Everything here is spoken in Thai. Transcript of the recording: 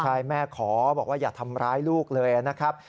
ใช่แม่ขอบอกว่าอย่าทำร้ายลูกเลยนะครับ